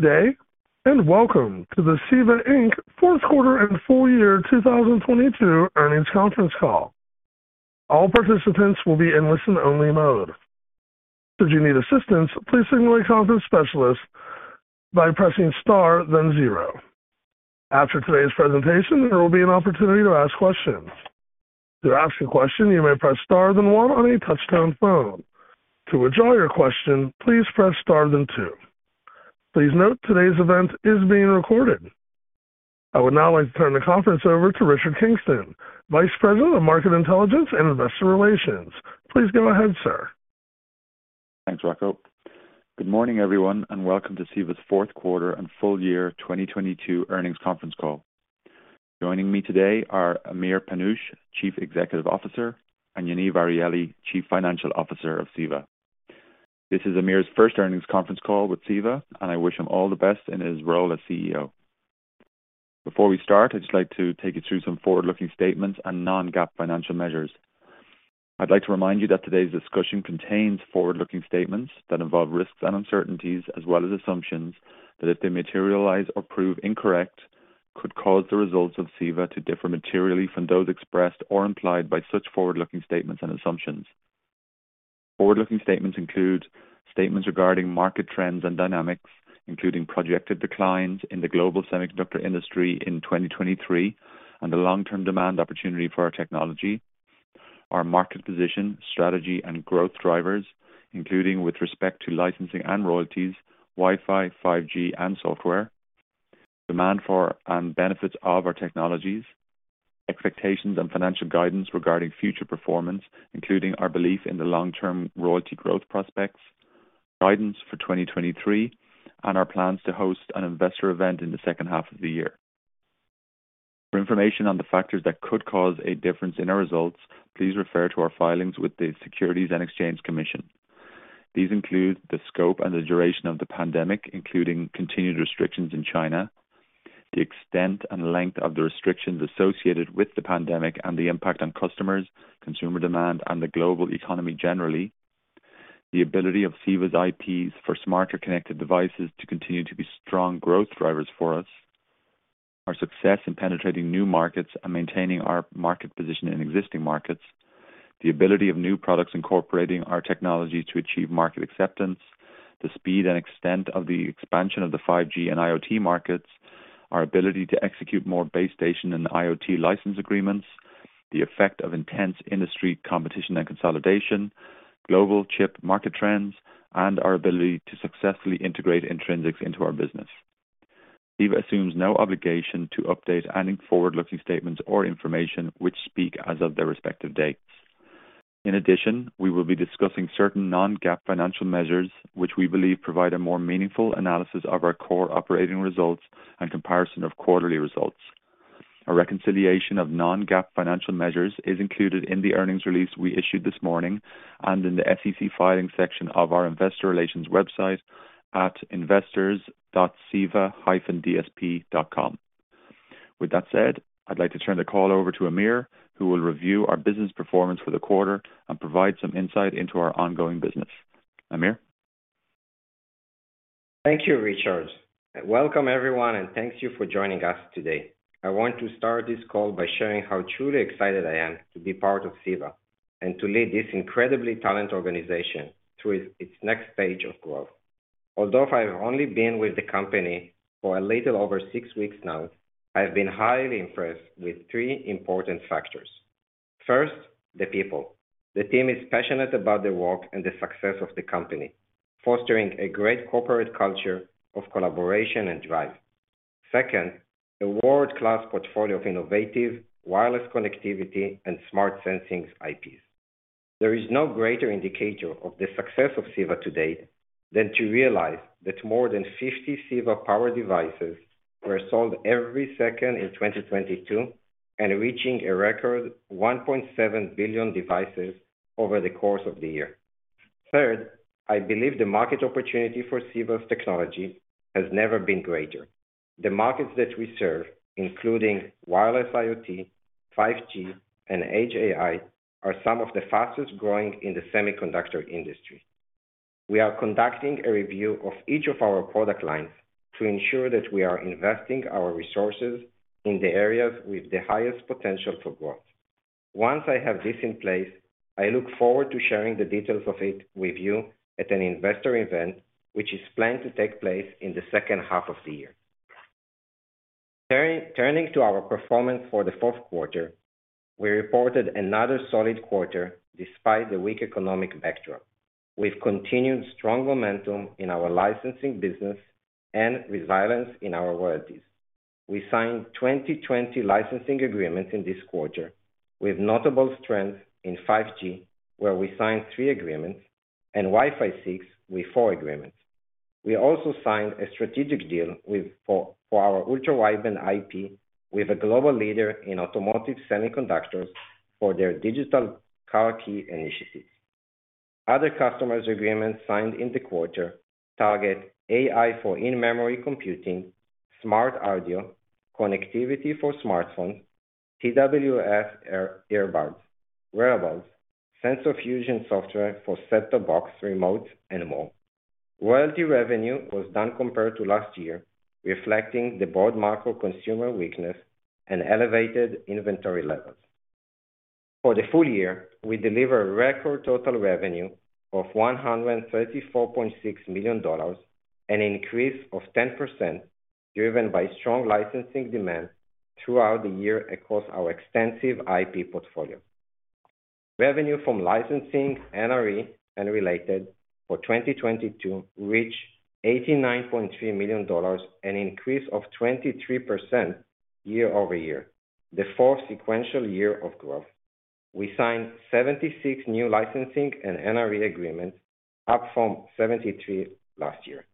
Good day, and welcome to the CEVA, Inc. fourth quarter and full year 2022 Earnings Conference Call. All participants will be in listen-only mode. Should you need assistance, please signal a conference specialist by pressing star then zero. After today's presentation, there will be an opportunity to ask questions. To ask a question, you may press star then one on a touchtone phone. To withdraw your question, please press star then two. Please note today's event is being recorded. I would now like to turn the conference over to Richard Kingston, Vice President of Market Intelligence and Investor Relations. Please go ahead, sir. Thanks, Rocco. Good morning, everyone, welcome to CEVA's fourth quarter and full year 2022 earnings conference call. Joining me today are Amir Panush, Chief Executive Officer, and Yaniv Arieli, Chief Financial Officer of CEVA. This is Amir's first earnings conference call with CEVA, I wish him all the best in his role as CEO. Before we start, I'd just like to take you through some forward-looking statements and Non-GAAP financial measures. I'd like to remind you that today's discussion contains forward-looking statements that involve risks and uncertainties as well as assumptions that if they materialize or prove incorrect, could cause the results of CEVA to differ materially from those expressed or implied by such forward-looking statements and assumptions. Forward-looking statements include statements regarding market trends and dynamics, including projected declines in the global semiconductor industry in 2023 and the long-term demand opportunity for our technology, our market position, strategy, and growth drivers, including with respect to licensing and royalties, Wi-Fi, 5G and software, demand for and benefits of our technologies, expectations and financial guidance regarding future performance, including our belief in the long-term royalty growth prospects, guidance for 2023, and our plans to host an investor event in the second half of the year. For information on the factors that could cause a difference in our results, please refer to our filings with the Securities and Exchange Commission. These include the scope and the duration of the pandemic, including continued restrictions in China, the extent and length of the restrictions associated with the pandemic and the impact on customers, consumer demand, and the global economy generally, the ability of CEVA's IPs for smarter connected devices to continue to be strong growth drivers for us, our success in penetrating new markets and maintaining our market position in existing markets, the ability of new products incorporating our technologies to achieve market acceptance, the speed and extent of the expansion of the 5G and IoT markets, our ability to execute more base station and IoT license agreements, the effect of intense industry competition and consolidation, global chip market trends, and our ability to successfully integrate Intrinsix into our business. CEVA assumes no obligation to update any forward-looking statements or information which speak as of their respective dates. In addition, we will be discussing certain Non-GAAP financial measures, which we believe provide a more meaningful analysis of our core operating results and comparison of quarterly results. A reconciliation of Non-GAAP financial measures is included in the earnings release we issued this morning and in the SEC filing section of our investor relations website at investors.ceva-dsp.com. With that said, I'd like to turn the call over to Amir, who will review our business performance for the quarter and provide some insight into our ongoing business. Amir? Thank you, Richard. Welcome everyone, and thank you for joining us today. I want to start this call by sharing how truly excited I am to be part of CEVA and to lead this incredibly talented organization through its next stage of growth. I've only been with the company for a little over six weeks now, I've been highly impressed with three important factors. First, the people. The team is passionate about their work and the success of the company, fostering a great corporate culture of collaboration and drive. Second, a world-class portfolio of innovative wireless connectivity and smart sensing IPs. There is no greater indicator of the success of CEVA today than to realize that more than 50 CEVA power devices were sold every second in 2022 and reaching a record 1.7 billion devices over the course of the year. Third, I believe the market opportunity for CEVA's technology has never been greater. The markets that we serve, including wireless IoT, 5G, and Edge AI, are some of the fastest-growing in the semiconductor industry. We are conducting a review of each of our product lines to ensure that we are investing our resources in the areas with the highest potential for growth. Once I have this in place, I look forward to sharing the details of it with you at an investor event, which is planned to take place in the second half of the year. Turning to our performance for the fourth quarter, we reported another solid quarter despite the weak economic backdrop. We've continued strong momentum in our licensing business and resilience in our royalties. We signed 20 licensing agreements in this quarter with notable strength in 5G, where we signed three agreements, and Wi-Fi 6 with four agreements. We also signed a strategic deal for our ultra-wideband IP with a global leader in automotive semiconductors for their digital car key initiatives. Other customers agreements signed in the quarter target AI for in-memory computing, smart audio, connectivity for smartphones, TWS earbuds, wearables, sensor fusion software for set-top box remotes, and more. Royalty revenue was down compared to last year, reflecting the broad macro consumer weakness and elevated inventory levels. For the full year, we delivered record total revenue of $134.6 million, an increase of 10% driven by strong licensing demand throughout the year across our extensive IP portfolio. Revenue from licensing NRE and related for 2022 reached $89.3 million, an increase of 23% year-over-year, the fourth sequential year of growth. We signed 76 new licensing and NRE agreements, up from 73 last year.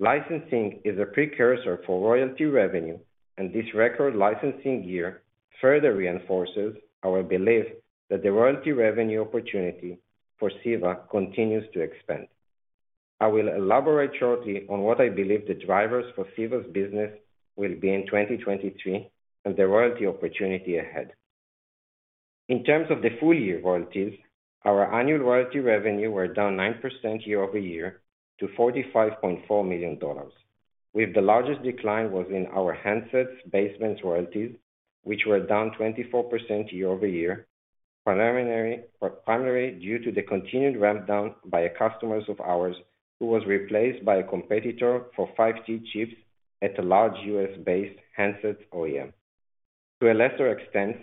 Licensing is a precursor for royalty revenue, this record licensing year further reinforces our belief that the royalty revenue opportunity for CEVA continues to expand. I will elaborate shortly on what I believe the drivers for CEVA's business will be in 2023 and the royalty opportunity ahead. In terms of the full year royalties, our annual royalty revenue were down 9% year-over-year to $45.4 million. With the largest decline was in our handsets-based royalties, which were down 24% year-over-year, primarily due to the continued ramp down by a customers of ours who was replaced by a competitor for 5G chips at a large U.S.-based handsets OEM. To a lesser extent,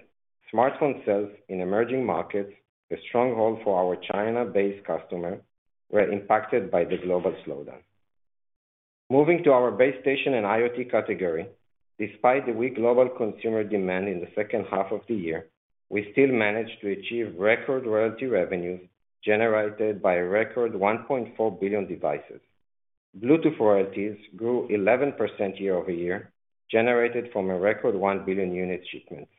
smartphone sales in emerging markets, a stronghold for our China-based customer, were impacted by the global slowdown. Moving to our base station and IoT category, despite the weak global consumer demand in the second half of the year, we still managed to achieve record royalty revenues generated by a record 1.4 billion devices. Bluetooth royalties grew 11% year-over-year, generated from a record one billion unit shipments.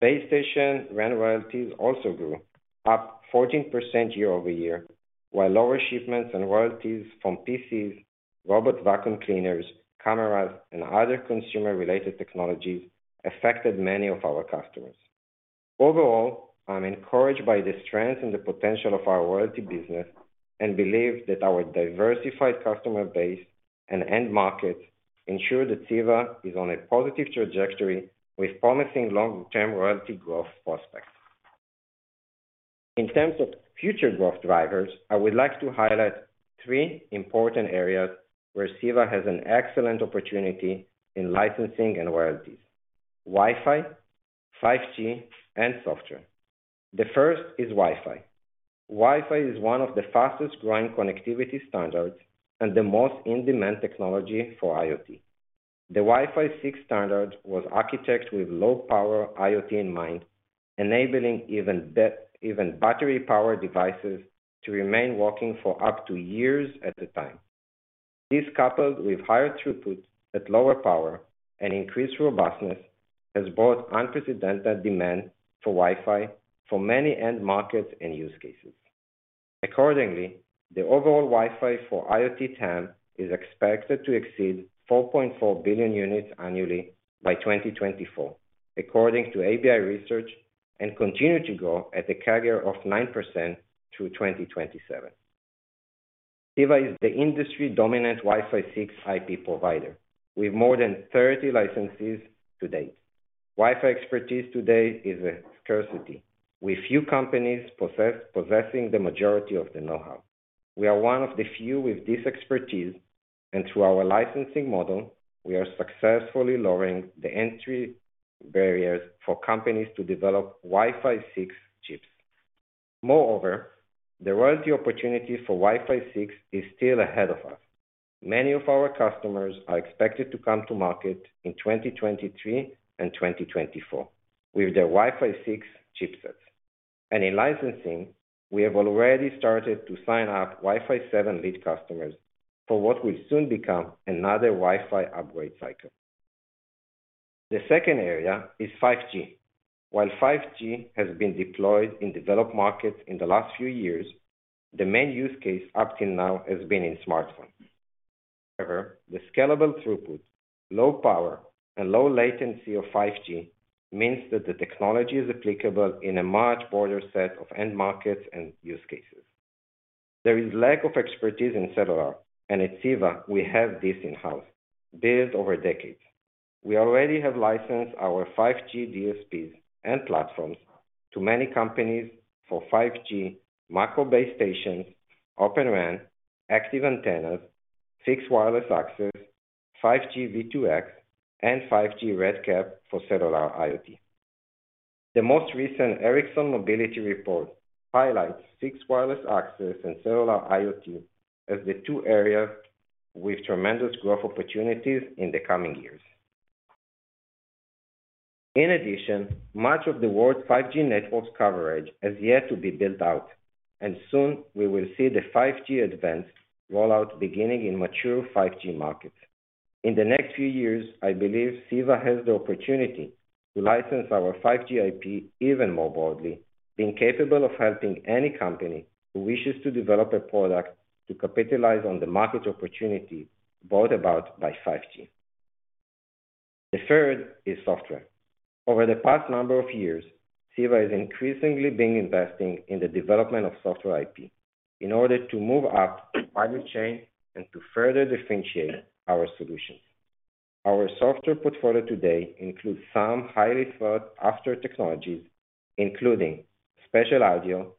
Base station RAN royalties also grew, up 14% year-over-year, while lower shipments and royalties from PCs, robot vacuum cleaners, cameras, and other consumer-related technologies affected many of our customers. Overall, I'm encouraged by the strength and the potential of our royalty business and believe that our diversified customer base and end markets ensure that CEVA is on a positive trajectory with promising long-term royalty growth prospects. In terms of future growth drivers, I would like to highlight three important areas where CEVA has an excellent opportunity in licensing and royalties: Wi-Fi, 5G, and software. The first is Wi-Fi. Wi-Fi is one of the fastest-growing connectivity standards and the most in-demand technology for IoT. The Wi-Fi 6 standard was architected with low power IoT in mind, enabling even battery-power devices to remain working for up to years at a time. This, coupled with higher throughput at lower power and increased robustness, has brought unprecedented demand for Wi-Fi for many end markets and use cases. Accordingly, the overall Wi-Fi for IoT TAM is expected to exceed 4.4 billion units annually by 2024, according to ABI Research, and continue to grow at a CAGR of 9% through 2027. CEVA is the industry-dominant Wi-Fi 6 IP provider with more than 30 licenses to date. Wi-Fi expertise today is a scarcity, with few companies possessing the majority of the know-how. We are one of the few with this expertise, and through our licensing model, we are successfully lowering the entry barriers for companies to develop Wi-Fi 6 chips. Moreover, the royalty opportunity for Wi-Fi 6 is still ahead of us. Many of our customers are expected to come to market in 2023 and 2024 with their Wi-Fi 6 chipsets. In licensing, we have already started to sign up Wi-Fi 7 lead customers for what will soon become another Wi-Fi upgrade cycle. The second area is 5G. While 5G has been deployed in developed markets in the last few years, the main use case up till now has been in smartphones. However, the scalable throughput, low power, and low latency of 5G means that the technology is applicable in a much broader set of end markets and use cases. There is lack of expertise in cellular, and at CEVA, we have this in-house, built over decades. We already have licensed our 5G DSPs and platforms to many companies for 5G macro base stations, Open RAN, active antennas, fixed wireless access, 5G V2X, and 5G RedCap for cellular IoT. The most recent Ericsson Mobility Report highlights six wireless access and cellular IoT as the two areas with tremendous growth opportunities in the coming years. Much of the world's 5G network coverage has yet to be built out, and soon we will see the 5G-Advanced rollout beginning in mature 5G markets. In the next few years, I believe CEVA has the opportunity to license our 5G IP even more broadly, being capable of helping any company who wishes to develop a product to capitalize on the market opportunity brought about by 5G. The third is software. Over the past number of years, CEVA has increasingly been investing in the development of software IP in order to move up the value chain and to further differentiate our solutions. Our software portfolio today includes some highly sought after technologies, including spatial audio,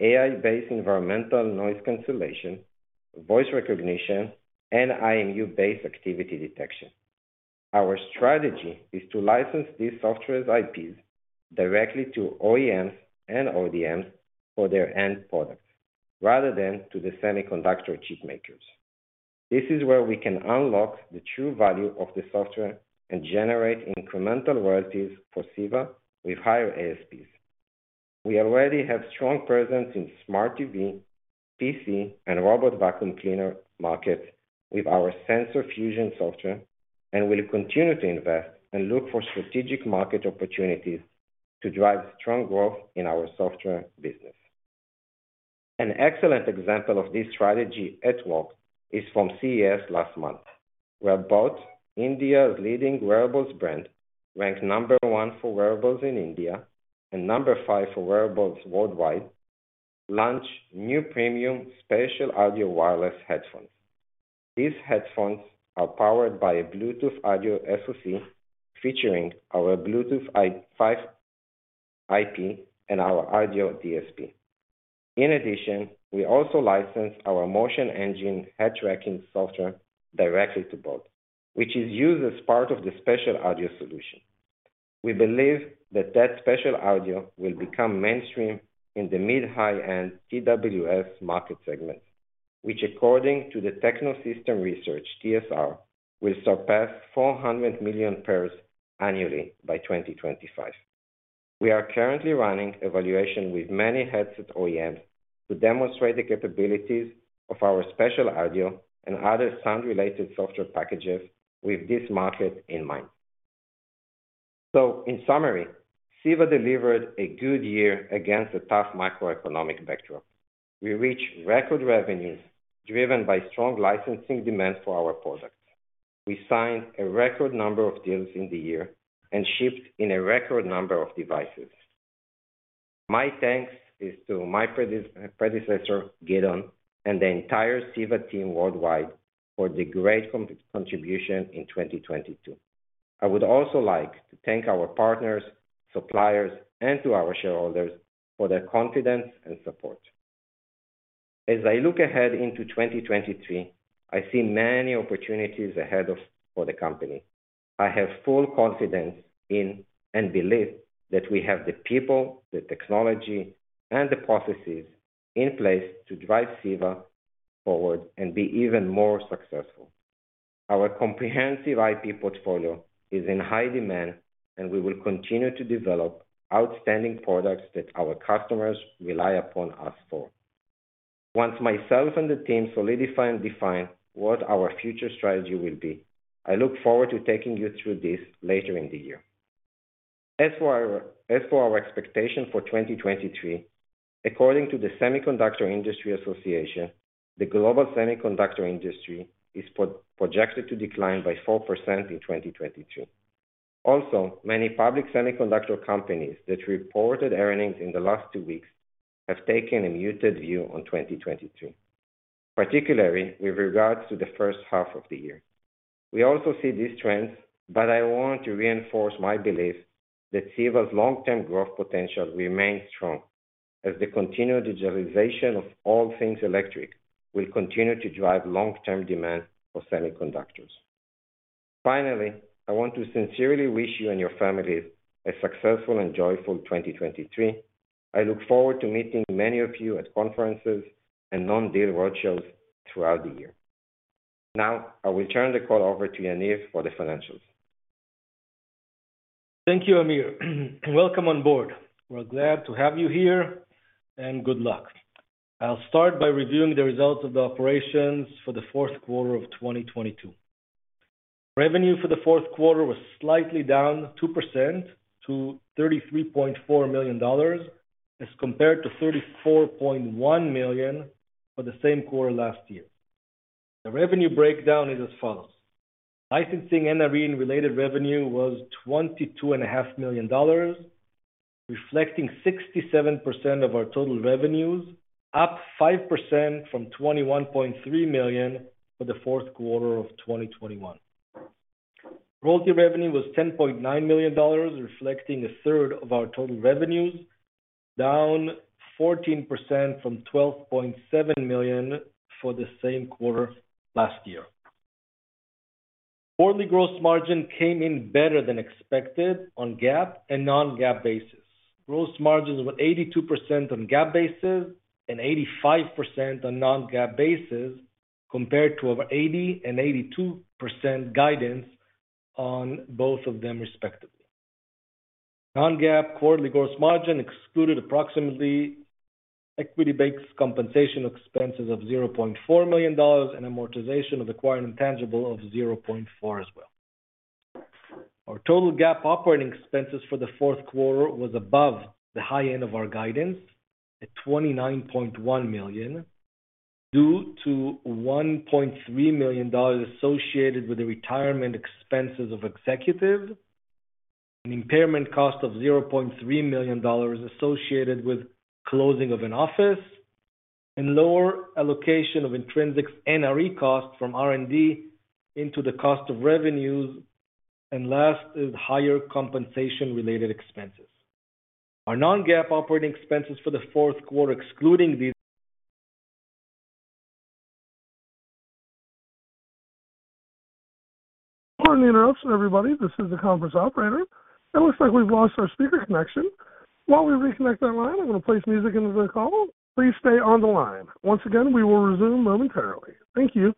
AI-based environmental noise cancellation, voice recognition, and IMU-based activity detection. Our strategy is to license these software IPs directly to OEMs and ODMs for their end products, rather than to the semiconductor chip makers. This is where we can unlock the true value of the software and generate incremental royalties for CEVA with higher ASPs. We already have strong presence in smart TV, PC, and robot vacuum cleaner markets with our sensor fusion software. We'll continue to invest and look for strategic market opportunities to drive strong growth in our software business. An excellent example of this strategy at work is from CES last month, where boAt, India's leading wearables brand, ranked number one for wearables in India and number five for wearables worldwide, launched new premium spatial audio wireless headphones. These headphones are powered by a Bluetooth audio SoC featuring our Bluetooth 5 IP and our audio DSP. In addition, we also licensed our MotionEngine head-tracking software directly to boAt, which is used as part of the spatial audio solution. We believe that spatial audio will become mainstream in the mid-high end TWS market segment, which according to the Techno Systems Research, TSR, will surpass 400 million pairs annually by 2025. We are currently running evaluation with many headset OEMs to demonstrate the capabilities of our spatial audio and other sound related software packages with this market in mind. In summary, CEVA delivered a good year against a tough macroeconomic backdrop. We reached record revenues driven by strong licensing demand for our products. We signed a record number of deals in the year and shipped in a record number of devices. My thanks is to my predecessor, Gideon, and the entire CEVA team worldwide for the great contribution in 2022. I would also like to thank our partners, suppliers, and to our shareholders for their confidence and support. As I look ahead into 2023, I see many opportunities for the company. I have full confidence in and belief that we have the people, the technology, and the processes in place to drive CEVA forward and be even more successful. Our comprehensive IP portfolio is in high demand. We will continue to develop outstanding products that our customers rely upon us for. Once myself and the team solidify and define what our future strategy will be, I look forward to taking you through this later in the year. As for our expectation for 2023, according to the Semiconductor Industry Association, the global semiconductor industry is projected to decline by 4% in 2022. Many public semiconductor companies that reported earnings in the last two weeks have taken a muted view on 2022, particularly with regards to the first half of the year. We also see these trends, I want to reinforce my belief that CEVA's long-term growth potential remains strong as the continued digitalization of all things electric will continue to drive long-term demand for semiconductors. I want to sincerely wish you and your families a successful and joyful 2023. I look forward to meeting many of you at conferences and on deal roadshows throughout the year. I will turn the call over to Yaniv for the financials. Thank you, Amir. Welcome on board. We're glad to have you here, and good luck. I'll start by reviewing the results of the operations for the fourth quarter of 2022. Revenue for the fourth quarter was slightly down 2% to $33.4 million as compared to $34.1 million for the same quarter last year. The revenue breakdown is as follows: Licensing and NRE related revenue was twenty-two and a half million dollars, reflecting 67% of our total revenues, up 5% from $21.3 million for the fourth quarter of 2021. Royalty revenue was $10.9 million, reflecting 1/3 of our total revenues, down 14% from $12.7 million for the same quarter last year. Quarterly gross margin came in better than expected on GAAP and Non-GAAP basis. Gross margins were 82% on GAAP basis and 85% on Non-GAAP basis, compared to our 80% and 82% guidance on both of them respectively. non-GAAP quarterly gross margin excluded approximately equity-based compensation expenses of $0.4 million and amortization of acquired intangibles of $0.4 as well. Our total GAAP operating expenses for the fourth quarter was above the high end of our guidance at $29.1 million, due to $1.3 million associated with the retirement expenses of executive, an impairment cost of $0.3 million associated with closing of an office, and lower allocation of Intrinsix NRE costs from R&D into the cost of revenues, and last is higher compensation related expenses. Our Non-GAAP operating expenses for the fourth quarter, excluding these- Pardon the interruption, everybody. This is the conference operator. It looks like we've lost our speaker connection. While we reconnect that line, I'm going to play some music into the call. Please stay on the line. Once again, we will resume momentarily. Thank you.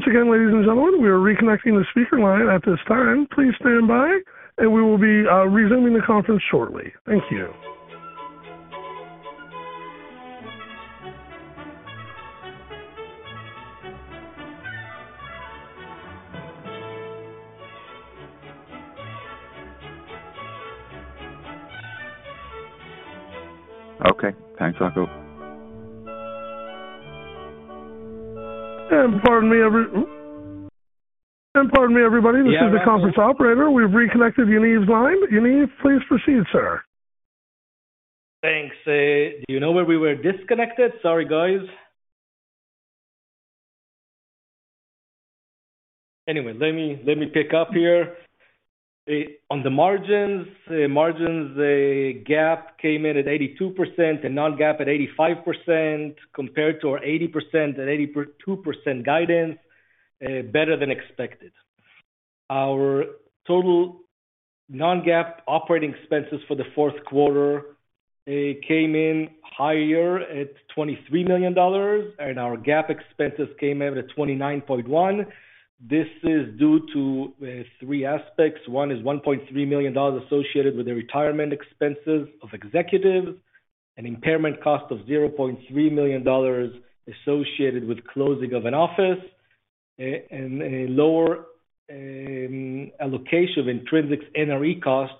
Once again, ladies and gentlemen, we are reconnecting the speaker line at this time. Please stand by, and we will be resuming the conference shortly. Thank you. Okay, thanks, Jacob. Pardon me, everybody. This is the conference operator. We've reconnected Yaniv's line. Yaniv, please proceed, sir. Thanks. Do you know where we were disconnected? Sorry, guys. Let me pick up here. On the margins, GAAP came in at 82% and Non-GAAP at 85% compared to our 80% and 82% guidance, better than expected. Our total Non-GAAP operating expenses for the fourth quarter came in higher at $23 million, and our GAAP expenses came in at $29.1 million. This is due to three aspects. One is $1.3 million associated with the retirement expenses of executives, an impairment cost of $0.3 million associated with closing of an office, and a lower allocation of Intrinsix NRE cost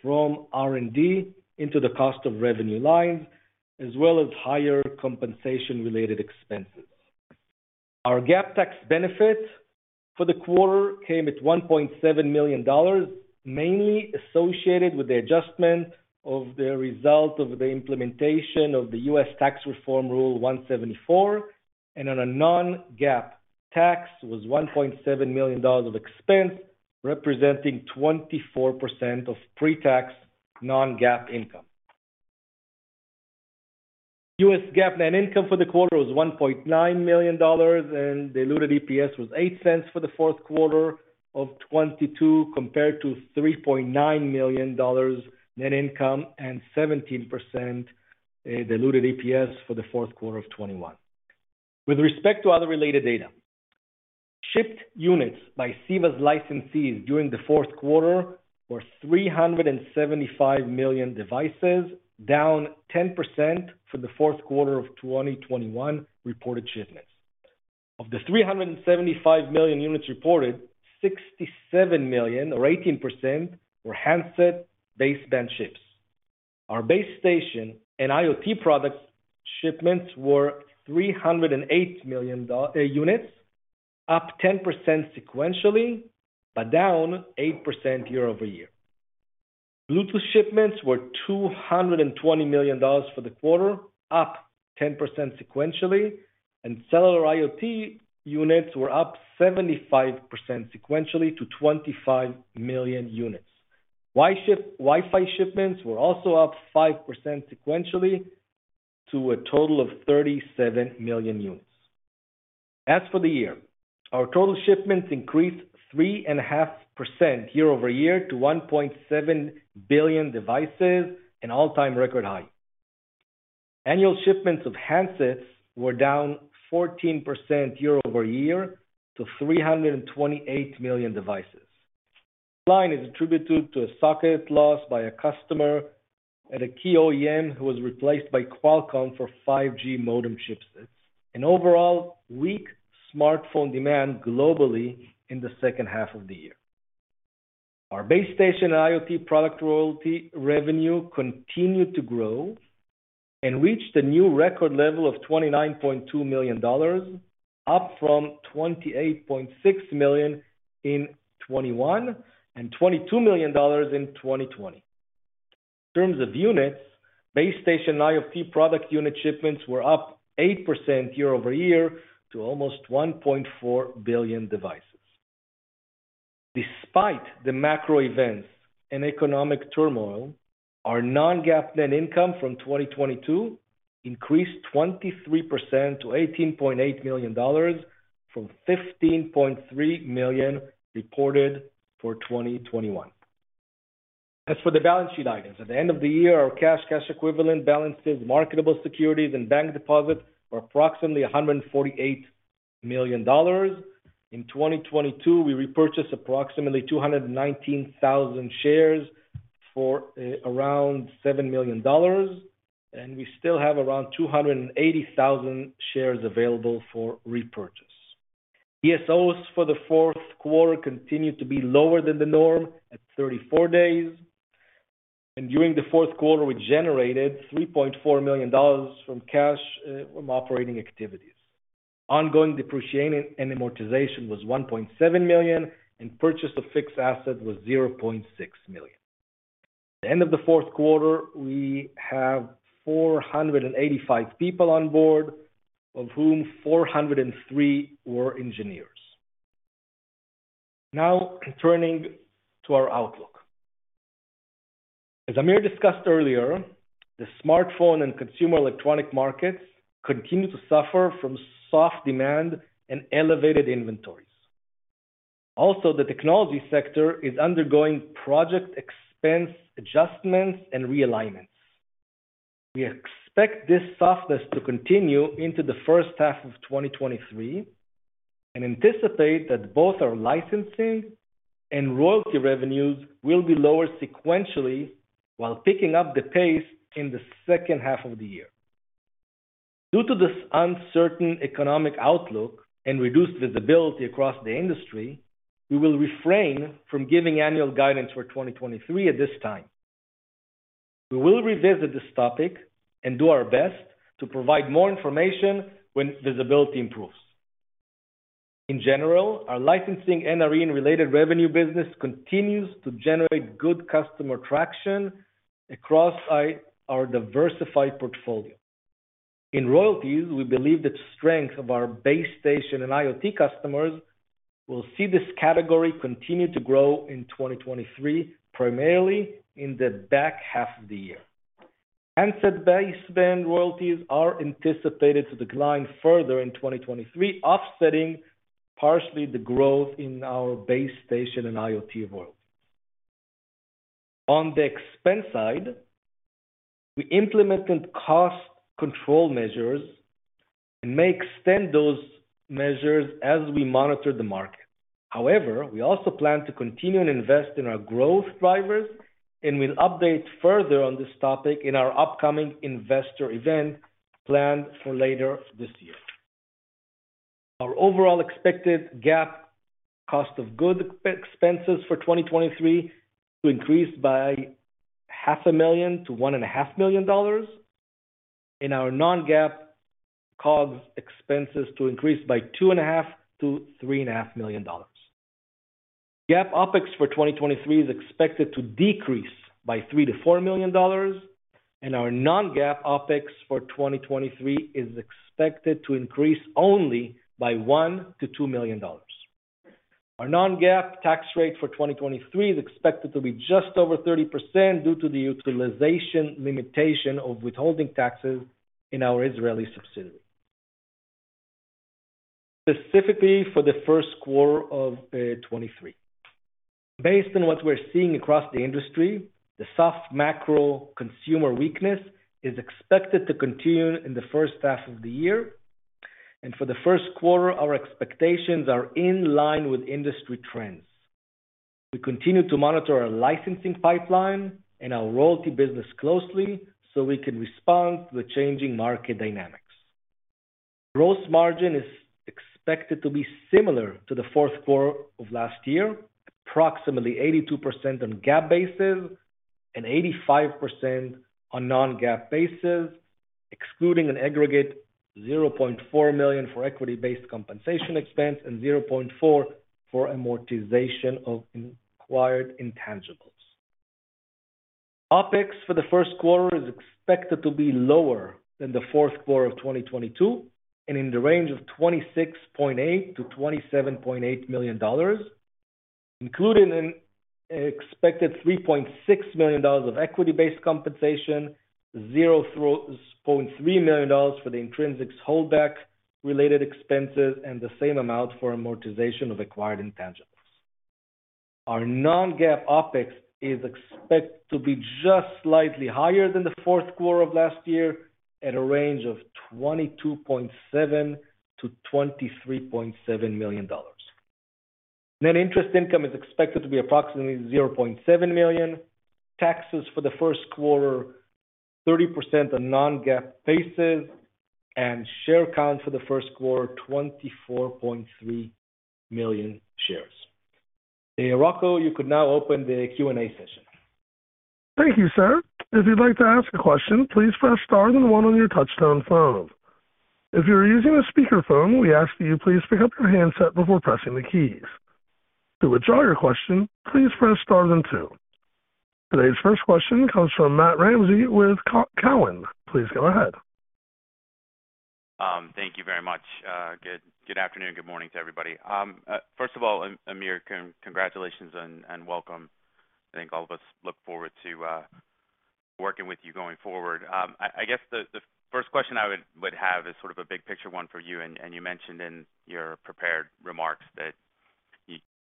from R&D into the cost of revenue lines, as well as higher compensation related expenses. Our GAAP tax benefit for the quarter came at $1.7 million, mainly associated with the adjustment of the result of the implementation of the U.S. Tax Reform Rule 174. On a Non-GAAP tax was $1.7 million of expense, representing 24% of pre-tax Non-GAAP income. U.S. GAAP net income for the quarter was $1.9 million, and diluted EPS was $0.08 for the fourth quarter of 2022, compared to $3.9 million net income and 17% diluted EPS for the fourth quarter of 2021. With respect to other related data. Shipped units by CEVA's licensees during the fourth quarter were 375 million devices, down 10% for the fourth quarter of 2021 reported shipments. Of the 375 million units reported, 67 million or 18% were handset baseband ships. Our base station and IoT products shipments were 308 million units, up 10% sequentially, but down 8% year-over-year. Bluetooth shipments were $220 million for the quarter, up 10% sequentially, and cellular IoT units were up 75 sequentially to 25 million units. Wi-Fi shipments were also up 5% sequentially to a total of 37 million units. As for the year, our total shipments increased 3.5% year-over-year to 1.7 billion devices, an all-time record high. Annual shipments of handsets were down 14% year-over-year to 328 million devices. Line is attributed to a socket loss by a customer at a key OEM who was replaced by Qualcomm for 5G modem chipsets. An overall weak smartphone demand globally in the second half of the year. Our base station IoT product royalty revenue continued to grow and reached a new record level of $29.2 million, up from $28.6 million in 2021 and $22 million in 2020. In terms of units, base station IoT product unit shipments were up 8% year-over-year to almost 1.4 billion devices. Despite the macro events and economic turmoil, our Non-GAAP net income from 2022 increased 23% to $18.8 million from $15.3 million reported for 2021. As for the balance sheet items, at the end of the year, our cash equivalent balances, marketable securities and bank deposits were approximately $148 million. In 2022, we repurchased approximately 219,000 shares for, around $7 million, and we still have around 280,000 shares available for repurchase. DSOs for the fourth quarter continued to be lower than the norm at 34 days. During the fourth quarter, we generated $3.4 million from cash, from operating activities. Ongoing depreciation and amortization was $1.7 million, and purchase of fixed asset was $0.6 million. At the end of the fourth quarter, we have 485 people on board, of whom 403 were engineers. Now turning to our outlook. As Amir discussed earlier, the smartphone and consumer electronic markets continue to suffer from soft demand and elevated inventories. Also, the technology sector is undergoing project expense adjustments and realignments. We expect this softness to continue into the first half of 2023 and anticipate that both our licensing and royalty revenues will be lower sequentially while picking up the pace in the second half of the year. Due to this uncertain economic outlook and reduced visibility across the industry, we will refrain from giving annual guidance for 2023 at this time. We will revisit this topic and do our best to provide more information when visibility improves. In general, our licensing and NRE-related revenue business continues to generate good customer traction across our diversified portfolio. In royalties, we believe the strength of our base station and IoT customers will see this category continue to grow in 2023, primarily in the back half of the year. Handset baseband royalties are anticipated to decline further in 2023, offsetting partially the growth in our base station and IoT royalties. On the expense side, we implemented cost control measures and may extend those measures as we monitor the market. We also plan to continue and invest in our growth drivers. We'll update further on this topic in our upcoming investor event planned for later this year. Our overall expected GAAP cost of goods expenses for 2023 to increase by half a million dollars to one and a half million dollars. Our Non-GAAP COGS expenses to increase by $2.5 million-$3.5 million. GAAP OpEx for 2023 is expected to decrease by $3 million-$4 million. Our Non-GAAP OpEx for 2023 is expected to increase only by $1 million-$2 million. Our Non-GAAP tax rate for 2023 is expected to be just over 30% due to the utilization limitation of withholding taxes in our Israeli subsidiary. Specifically for the first quarter of 23. Based on what we're seeing across the industry, the soft macro consumer weakness is expected to continue in the first half of the year. For the first quarter, our expectations are in line with industry trends. We continue to monitor our licensing pipeline and our royalty business closely so we can respond to the changing market dynamics. Gross margin is expected to be similar to the fourth quarter of last year, approximately 82% on GAAP basis and 85% on Non-GAAP basis, excluding an aggregate $0.4 million for equity-based compensation expense and $0.4 for amortization of acquired intangibles. OpEx for the first quarter is expected to be lower than the fourth quarter of 2022 and in the range of $26.8 million-$27.8 million, including an expected $3.6 million of equity-based compensation, $0.3 million for the Intrinsix holdback-related expenses, and the same amount for amortization of acquired intangibles. Our Non-GAAP OpEx is expected to be just slightly higher than the fourth quarter of last year. At a range of $22.7 million-$23.7 million. Net interest income is expected to be approximately $0.7 million. Taxes for the first quarter, 30% on Non-GAAP basis. Share count for the first quarter, 24.3 million shares. Rocco, you could now open the Q&A session. Thank you, sir. If you'd like to ask a question, please press star then one on your touchtone phone. If you are using a speaker phone, we ask that you please pick up your handset before pressing the keys. To withdraw your question, please press star then two. Today's first question comes from Matt Ramsay with Cowen. Please go ahead. Thank you very much. Good afternoon, good morning to everybody. First of all, Amir, congratulations and welcome. I think all of us look forward to working with you going forward. I guess the first question I would have is sort of a big picture one for you, and you mentioned in your prepared remarks that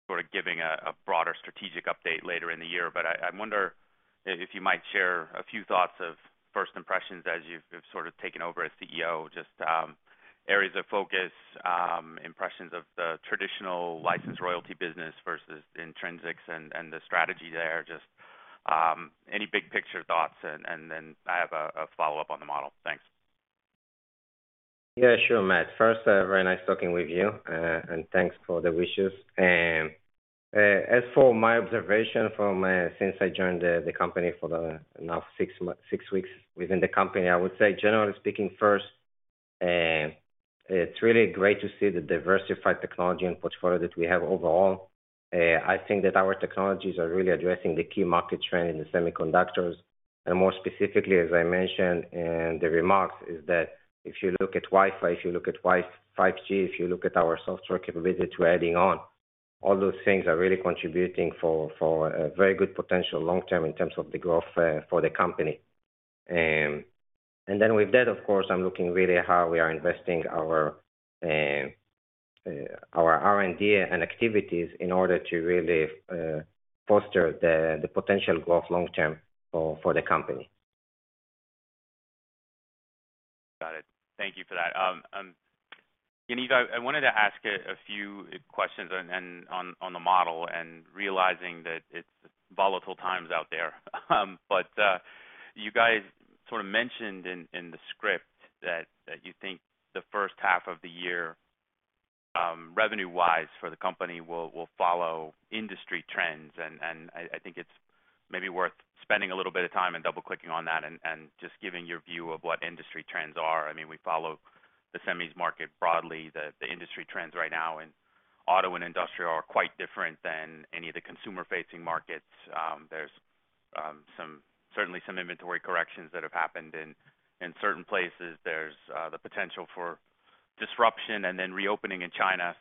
you sort of giving a broader strategic update later in the year. I wonder if you might share a few thoughts of first impressions as you've sort of taken over as CEO, just areas of focus, impressions of the traditional license royalty business versus Intrinsix and the strategy there. Just any big picture thoughts and then I have a follow-up on the model. Thanks. Yeah, sure, Matt. First, very nice talking with you, and thanks for the wishes. As for my observation from, since I joined the company for the now six weeks within the company, I would say generally speaking first, it's really great to see the diversified technology and portfolio that we have overall. I think that our technologies are really addressing the key market trend in the semiconductors. More specifically, as I mentioned in the remarks, is that if you look at Wi-Fi, if you look at 5G, if you look at our software capability to adding on, all those things are really contributing for a very good potential long-term in terms of the growth for the company. With that, of course, I'm looking really how we are investing our R&D and activities in order to really foster the potential growth long-term for the company. Got it. Thank you for that. Yaniv, I wanted to ask a few questions on the model and realizing that it's volatile times out there. You guys sort of mentioned in the script that you think the first half of the year revenue-wise for the company will follow industry trends. I think it's maybe worth spending a little bit of time and double-clicking on that and just giving your view of what industry trends are. I mean, we follow the semis market broadly. The industry trends right now in auto and industrial are quite different than any of the consumer-facing markets. There's certainly some inventory corrections that have happened in certain places. There's the potential for disruption and then reopening in China.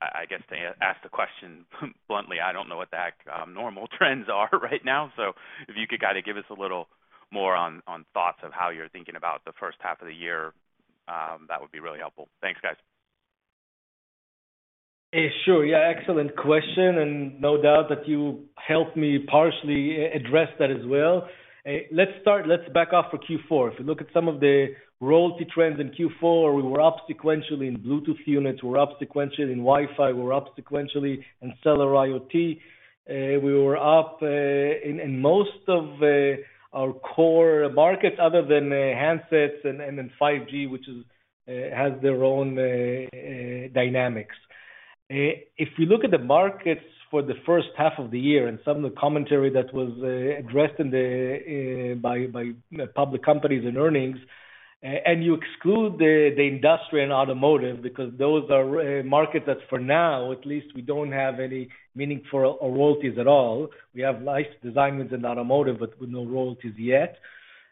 I guess to ask the question bluntly, I don't know what the normal trends are right now. If you could kind of give us a little more on thoughts of how you're thinking about the first half of the year, that would be really helpful. Thanks, guys. Sure. Yeah, excellent question, and no doubt that you helped me partially address that as well. Let's start, let's back off for Q4. If you look at some of the royalty trends in Q4, we were up sequentially in Bluetooth units, we were up sequentially in Wi-Fi, we were up sequentially in cellular IoT. We were up in most of our core markets other than handsets and in 5G, which has their own dynamics. If you look at the markets for the first half of the year and some of the commentary that was addressed in the by public companies and earnings, you exclude the industrial and automotive because those are markets that for now at least we don't have any meaningful royalties at all. We have license designs in automotive, but with no royalties yet.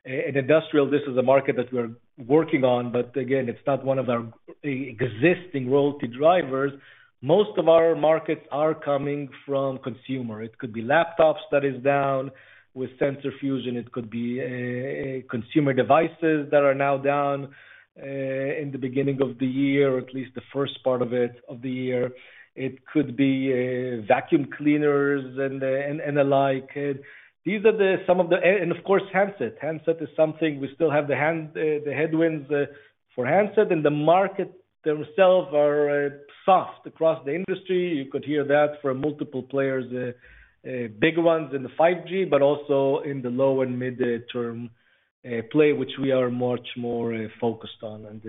In industrial, this is a market that we're working on, but again, it's not one of our existing royalty drivers. Most of our markets are coming from consumer. It could be laptops that is down with sensor fusion. It could be consumer devices that are now down in the beginning of the year, at least the first part of it, of the year. It could be vacuum cleaners and the like. Of course, handsets. Handset is something we still have the headwinds for handsets and the market themselves are soft across the industry. You could hear that from multiple players, big ones in the 5G, but also in the low and mid-term play, which we are much more focused on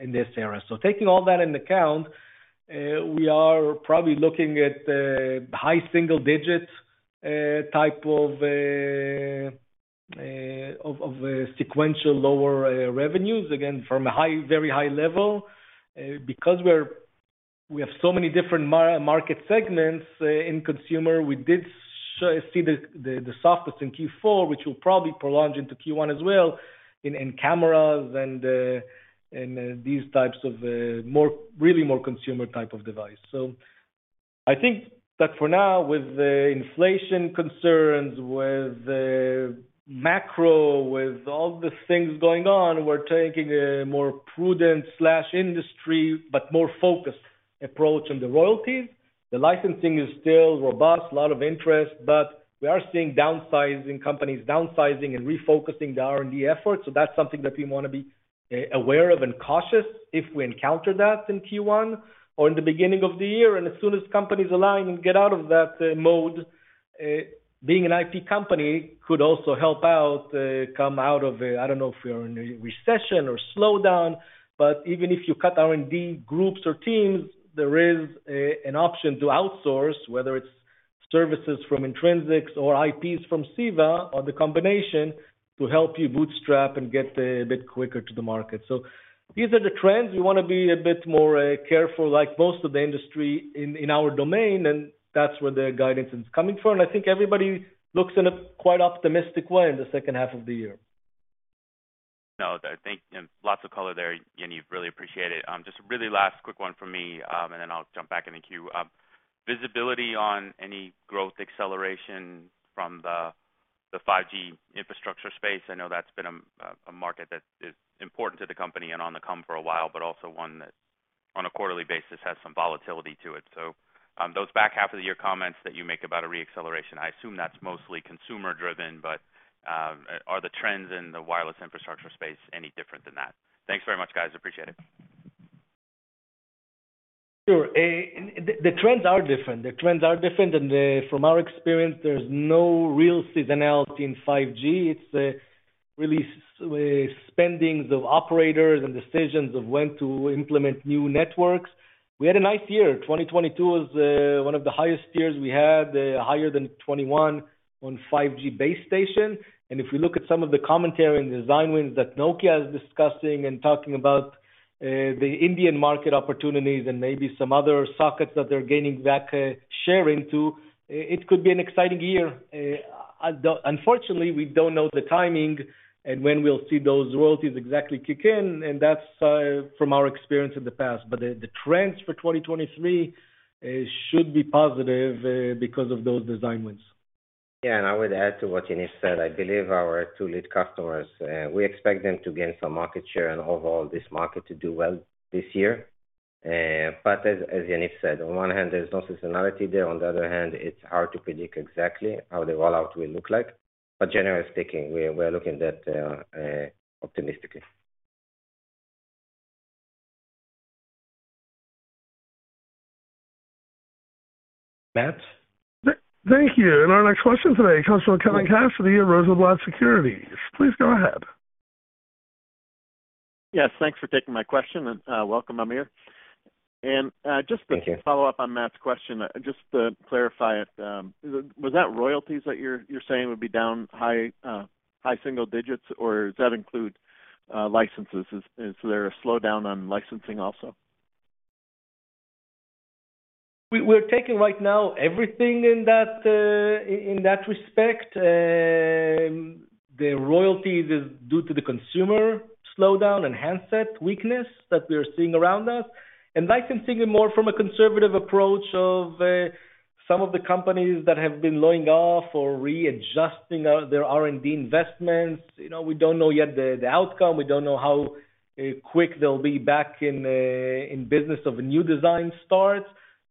in this area. Taking all that into account, we are probably looking at high single digits type of sequential lower revenues, again, from a high, very high level. Because we have so many different market segments, in consumer, we did see the softness in Q4, which will probably prolong into Q1 as well in cameras and these types of more, really more consumer type of device. I think that for now, with the inflation concerns, with the macro, with all the things going on, we're taking a more prudent/industry, but more focused approach on the royalties. The licensing is still robust, a lot of interest, but we are seeing downsizing, companies downsizing and refocusing their R&D efforts. That's something that we want to be aware of and cautious if we encounter that in Q1 or in the beginning of the year. As soon as companies align and get out of that mode, being an IP company could also help out come out of it. I don't know if we're in a recession or slowdown, but even if you cut R&D groups or teams, there is an option to outsource, whether it's services from Intrinsix or IPs from CEVA or the combination to help you bootstrap and get a bit quicker to the market. These are the trends. We wanna be a bit more careful, like most of the industry in our domain, and that's where the guidance is coming from. I think everybody looks in a quite optimistic way in the second half of the year. No, I think lots of color there, Yaniv. Really appreciate it. Just really last quick one from me, and then I'll jump back in the queue. Visibility on any growth acceleration from the 5G infrastructure space. I know that's been a market that is important to the company and on the come for a while, but also one that on a quarterly basis has some volatility to it. Those back half of the year comments that you make about a re-acceleration, I assume that's mostly consumer-driven, but are the trends in the wireless infrastructure space any different than that? Thanks very much, guys. Appreciate it. Sure. The trends are different. The trends are different. From our experience, there's no real seasonality in 5G. It's really spendings of operators and decisions of when to implement new networks. We had a nice year. 2022 was one of the highest years. We had higher than 2021 on 5G base station. If we look at some of the commentary and design wins that Nokia is discussing and talking about the Indian market opportunities and maybe some other sockets that they're gaining back, sharing to, it could be an exciting year. Unfortunately, we don't know the timing and when we'll see those royalties exactly kick in, and that's from our experience in the past. The trends for 2023 should be positive because of those design wins. Yeah. I would add to what Yaniv said, I believe our two lead customers, we expect them to gain some market share and overall this market to do well this year. As Yaniv said, on one hand, there's no seasonality there. On the other hand, it's hard to predict exactly how the rollout will look like. Generally speaking, we're looking that optimistically. Matt? Thank you. Our next question today comes from Kevin Cassidy of Rosenblatt Securities. Please go ahead. Yes, thanks for taking my question, and welcome, Amir. Thank you. Just to follow up on Matt's question, just to clarify it, was that royalties that you're saying would be down high, high single digits, or does that include licenses? Is there a slowdown on licensing also? We're taking right now everything in that, in that respect. The royalties is due to the consumer slowdown and handset weakness that we are seeing around us. Licensing is more from a conservative approach of some of the companies that have been laying off or readjusting their R&D investments. You know, we don't know yet the outcome. We don't know how quick they'll be back in the business of a new design start.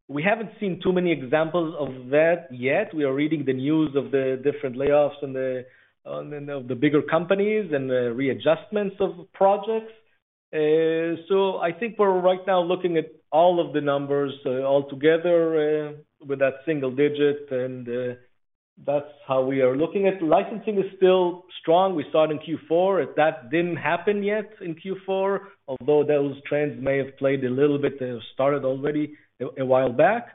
We haven't seen too many examples of that yet. We are reading the news of the different layoffs in the of the bigger companies and the readjustments of projects. I think we're right now looking at all of the numbers all together with that single digit. That's how we are looking at. Licensing is still strong. We saw it in Q4. If that didn't happen yet in Q4, although those trends may have played a little bit, started already a while back.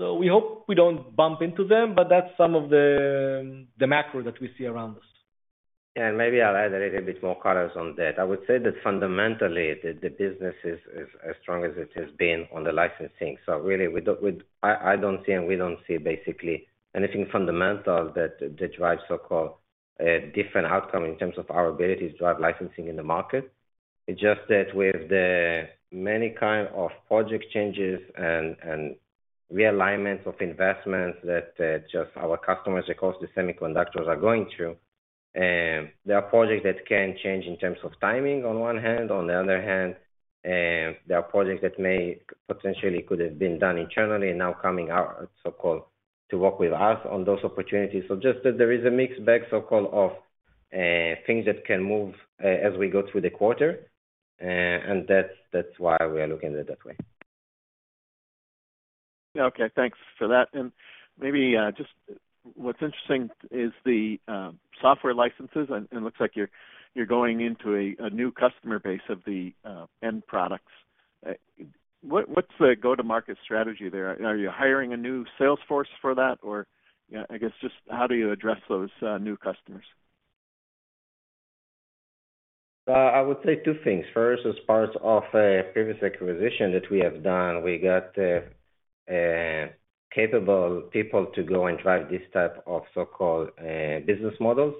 We hope we don't bump into them, but that's some of the macro that we see around us. Maybe I'll add a little bit more colors on that. I would say that fundamentally, the business is as strong as it has been on the licensing. Really, I don't see, and we don't see basically anything fundamental that drives so-called, different outcome in terms of our ability to drive licensing in the market. It's just that with the many kind of project changes and realignments of investments that just our customers across the semiconductors are going through, there are projects that can change in terms of timing on one hand. On the other hand, there are projects that may potentially could have been done internally and now coming out, so-called, to work with us on those opportunities. Just that there is a mixed bag, so-called, of things that can move as we go through the quarter. That's why we are looking at it that way. Okay. Thanks for that. Maybe just what's interesting is the software licenses, and looks like you're going into a new customer base of the end products. What's the go-to-market strategy there? Are you hiring a new sales force for that? You know, I guess just how do you address those new customers? I would say two things. First, as part of a previous acquisition that we have done, we got capable people to go and drive this type of so-called business models.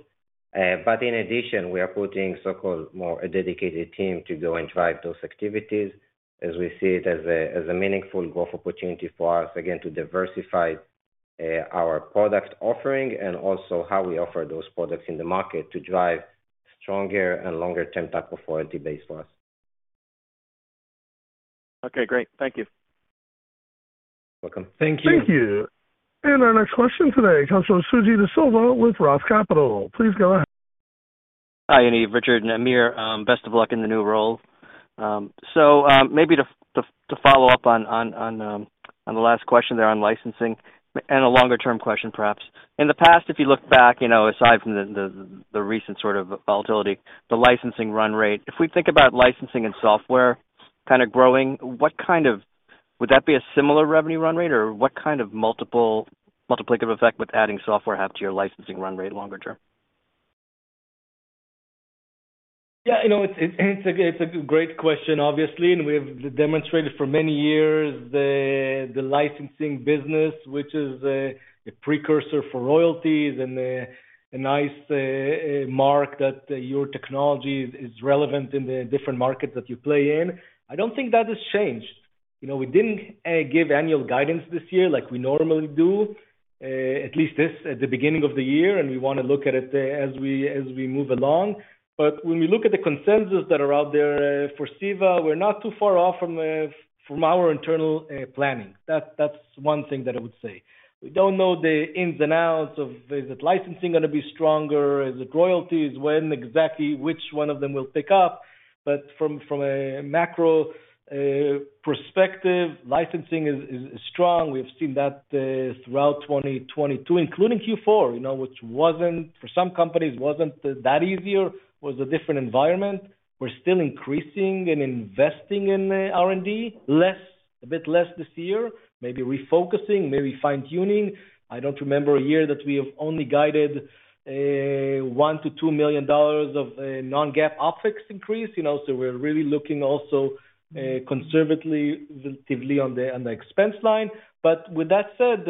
In addition, we are putting so-called more a dedicated team to go and drive those activities as we see it as a meaningful growth opportunity for us, again, to diversify our product offering and also how we offer those products in the market to drive. Stronger and longer-term type of royalty base for us. Okay, great. Thank you. Welcome. Thank you. Thank you. Our next question today comes from Suji Desilva with Roth Capital. Please go ahead. Hi, Yaniv, Richard and Amir. Best of luck in the new role. Maybe to follow up on the last question there on licensing and a longer-term question perhaps. In the past, if you look back, you know, aside from the recent sort of volatility, the licensing run rate. If we think about licensing and software kind of growing, Would that be a similar revenue run rate, or what kind of multiple, multiplicative effect would adding software have to your licensing run rate longer-term? You know, it's a great question, obviously, and we've demonstrated for many years the licensing business, which is a precursor for royalties and a nice mark that your technology is relevant in the different markets that you play in. I don't think that has changed. You know, we didn't give annual guidance this year like we normally do, at least at the beginning of the year, and we wanna look at it as we move along. When we look at the consensus that are out there for CEVA, we're not too far off from our internal planning. That's one thing that I would say. We don't know the ins and outs of is it licensing gonna be stronger? Is it royalties? When exactly which one of them will pick up? From a macro perspective, licensing is strong. We've seen that throughout 2022, including Q4, you know, which wasn't, for some companies, wasn't that easier. Was a different environment. We're still increasing and investing in R&D. A bit less this year, maybe refocusing, maybe fine-tuning. I don't remember a year that we have only guided $1 million-$2 million of Non-GAAP OpEx increase, you know. We're really looking also conservatively, relatively on the expense line. With that said,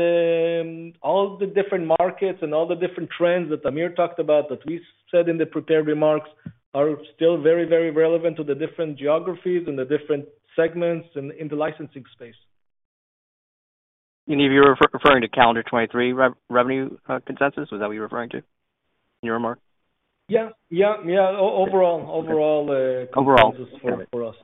all the different markets and all the different trends that Amir talked about, that we said in the prepared remarks, are still very, very relevant to the different geographies and the different segments in the licensing space. Yaniv, you're referring to calendar 23 revenue, consensus? Is that what you're referring to in your remark? Yeah. Yeah. Yeah. overall, consensus for us.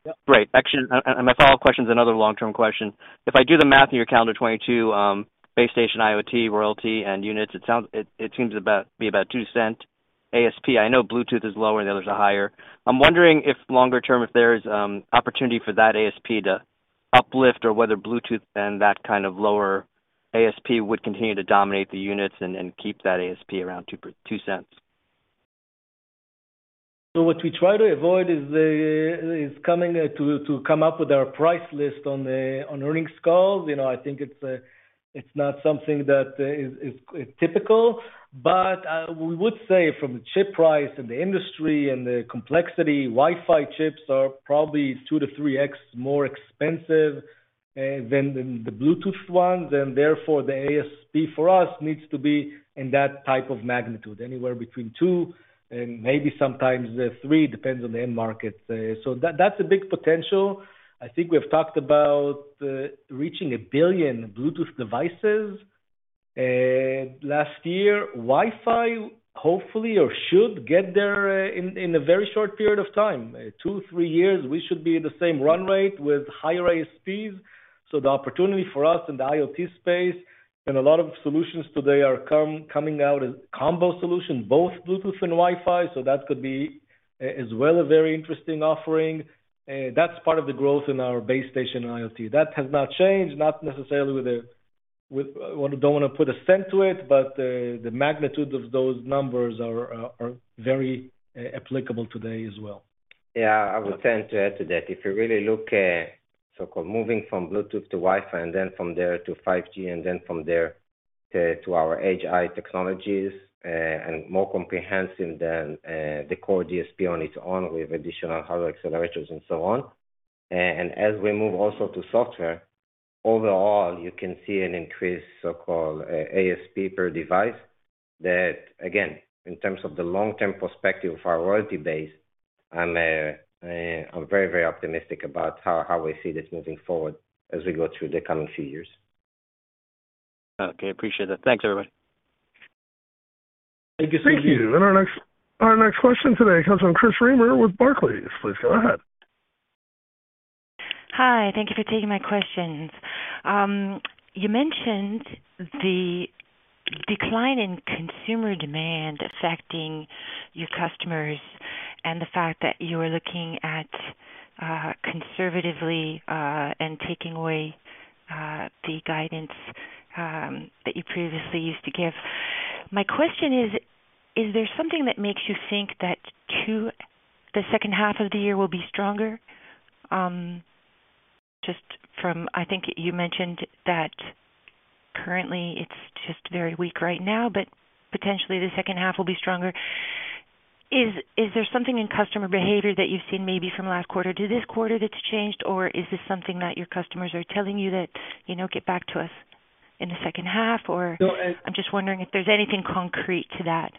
Overall. Yeah. Great. Actually, and my follow-up question is another long-term question. If I do the math in your calendar 2022, base station IoT royalty and units, it sounds, it seems about, be about two cent ASP. I know Bluetooth is lower and the others are higher. I'm wondering if longer-term if there's opportunity for that ASP to uplift or whether Bluetooth and that kind of lower ASP would continue to dominate the units and keep that ASP around two cents. What we try to avoid is coming to come up with our price list on earnings calls. You know, I think it's not something that is typical. But we would say from the chip price and the industry and the complexity, Wi-Fi chips are probably two to three x more expensive than the Bluetooth ones, and therefore, the ASP for us needs to be in that type of magnitude, anywhere between two and maybe sometimes three, depends on the end market. That's a big potential. I think we've talked about reaching one billion Bluetooth devices last year. Wi-Fi hopefully or should get there in a very short period of time. two, three years, we should be in the same run rate with higher ASPs. The opportunity for us in the IoT space and a lot of solutions today are coming out as combo solution, both Bluetooth and Wi-Fi. That could be a, as well, a very interesting offering. That's part of the growth in our base station IoT. That has not changed, not necessarily I don't wanna put a cent to it, but the magnitude of those numbers are very applicable today as well. Yeah. I would tend to add to that. If you really look at so-called moving from Bluetooth to Wi-Fi and then from there to 5G and then from there to our HI technologies, and more comprehensive than the core DSP on its own with additional hardware accelerators and so on. As we move also to software, overall, you can see an increase, so-called, ASP per device that again, in terms of the long-term perspective of our royalty base, I'm very, very optimistic about how we see this moving forward as we go through the coming few years. Okay. Appreciate that. Thanks, everybody. Thank you. Thank you. Our next question today comes from Chris Reimer with Barclays. Please go ahead. Hi. Thank you for taking my questions. You mentioned the decline in consumer demand affecting your customers and the fact that you are looking at conservatively and taking away the guidance that you previously used to give. My question is there something that makes you think that the second half of the year will be stronger? Just from, I think you mentioned that currently it's just very weak right now, but potentially the second half will be stronger. Is there something in customer behavior that you've seen maybe from last quarter to this quarter that's changed? Is this something that your customers are telling you that, you know, "Get back to us in the second half? So as- I'm just wondering if there's anything concrete to that?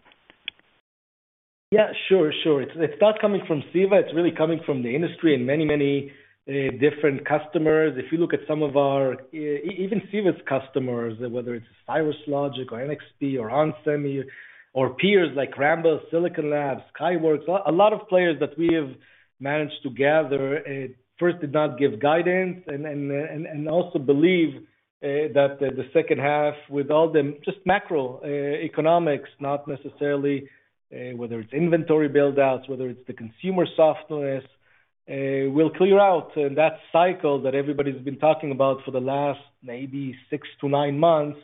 Yeah, sure. It's, it's not coming from CEVA, it's really coming from the industry and many, many different customers. If you look at some of our even CEVA's customers, whether it's Cirrus Logic or NXP or onsemi or peers like Rambus, Silicon Labs, Skyworks, a lot of players that we have managed to gather, first did not give guidance and also believe that the second half with all the just macroeconomics, not necessarily whether it's inventory build-outs, whether it's the consumer softness, will clear out. That cycle that everybody's been talking about for the last maybe six to nine months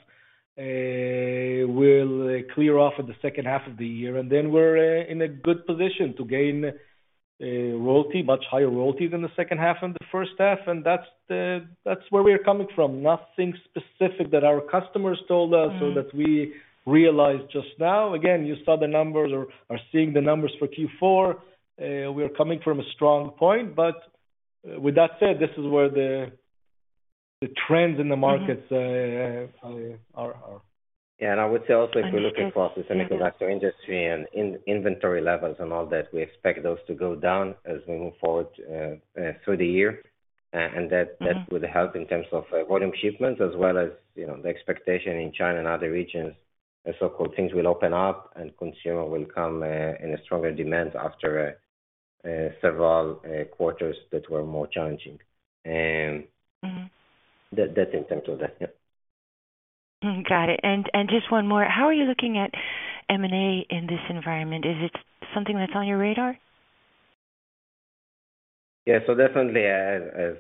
will clear off in the second half of the year. We're in a good position to gain royalty, much higher royalty than the second half and the first half, and that's where we're coming from. Nothing specific that our customers told us. Mm. -or that we realized just now. Again, you saw the numbers or are seeing the numbers for Q4. We're coming from a strong point, but with that said, this is where the trends in the markets- Mm. are. Understood. Yeah. Yeah. I would say also if you're looking for semiconductor industry and in-inventory levels and all that, we expect those to go down as we move forward through the year. Mm-hmm. That would help in terms of volume shipments as well as, you know, the expectation in China and other regions, so-called things will open up and consumer will come in a stronger demand after several quarters that were more challenging. Mm-hmm. That's in terms of that. Yeah. Got it. Just one more. How are you looking at M&A in this environment? Is it something that's on your radar? Definitely as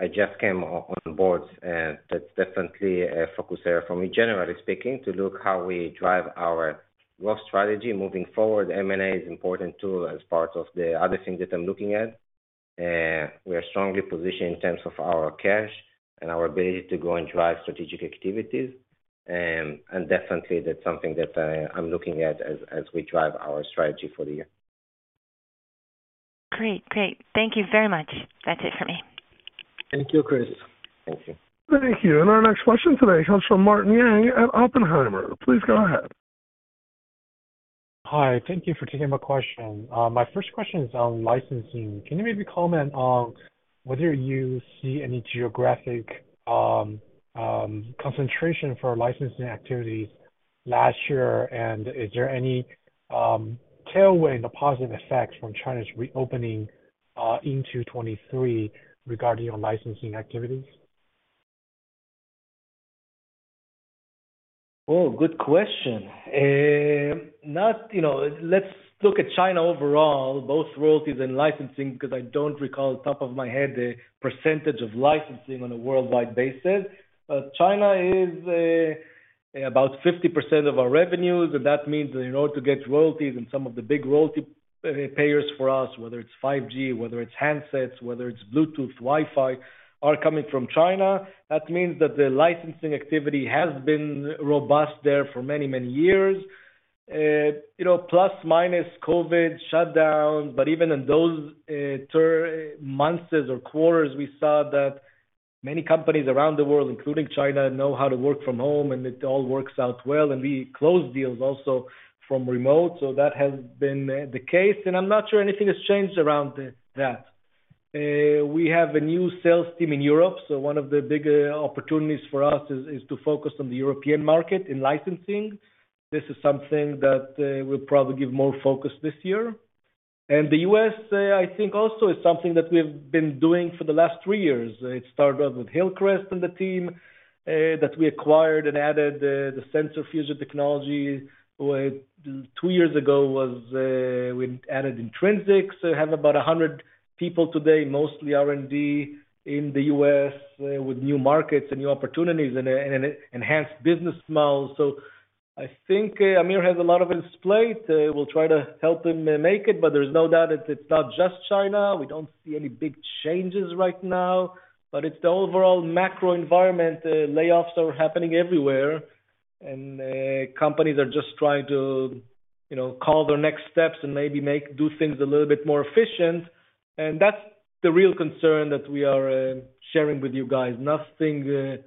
I just came on board, that's definitely a focus area for me, generally speaking, to look how we drive our growth strategy moving forward. M&A is important tool as part of the other thing that I'm looking at. We are strongly positioned in terms of our cash and our ability to go and drive strategic activities. Definitely that's something that I'm looking at as we drive our strategy for the year. Great. Thank you very much. That's it for me. Thank you, Chris. Thank you. Thank you. Our next question today comes from Martin Yang at Oppenheimer. Please go ahead. Hi. Thank you for taking my question. My first question is on licensing. Can you maybe comment on whether you see any geographic concentration for licensing activities last year? Is there any tailwind or positive effects from China's reopening into 23 regarding your licensing activities? Oh, good question. You know, let's look at China overall, both royalties and licensing, because I don't recall off the top of my head the percentage of licensing on a worldwide basis. China is about 50% of our revenues, and that means in order to get royalties and some of the big royalty payers for us, whether it's 5G, whether it's handsets, whether it's Bluetooth, Wi-Fi, are coming from China. That means that the licensing activity has been robust there for many, many years. You know, plus minus COVID shutdown. Even in those months or quarters, we saw that many companies around the world, including China, know how to work from home, and it all works out well. We closed deals also from remote, that has been the case. I'm not sure anything has changed around that. We have a new sales team in Europe. One of the big opportunities for us is to focus on the European market in licensing. This is something that we'll probably give more focus this year. The U.S., I think also is something that we've been doing for the last three years. It started off with Hillcrest and the team that we acquired and added the sensor fusion technology. Two years ago was, we added Intrinsix. We have about 100 people today, mostly R&D in the U.S., with new markets and new opportunities and enhanced business models. I think Amir has a lot on his plate. We'll try to help him make it. There's no doubt it's not just China. We don't see any big changes right now. It's the overall macro environment. Layoffs are happening everywhere. Companies are just trying to, you know, call their next steps and maybe do things a little bit more efficient. That's the real concern that we are sharing with you guys. Nothing